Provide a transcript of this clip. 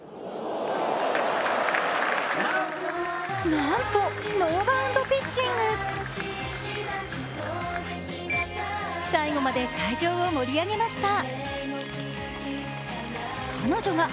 なんと、ノーバウンドピッチング最後まで会場を盛り上げました。